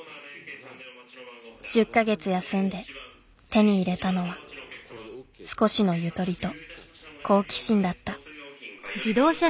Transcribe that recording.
１０か月休んで手に入れたのは少しのゆとりと好奇心だった。